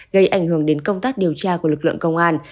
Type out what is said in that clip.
gây ảnh hưởng đến công tác điều tra của lực lượng công an